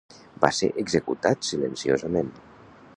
Va ser executat silenciosament.